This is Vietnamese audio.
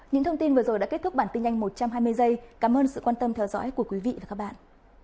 những thông tin vừa rồi đã kết thúc bản tin nhanh một trăm hai mươi giây cảm ơn sự quan tâm theo dõi của quý vị và các bạn